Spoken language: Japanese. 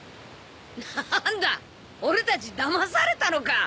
何だ俺たちだまされたのか！